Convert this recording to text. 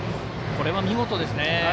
これは見事ですね。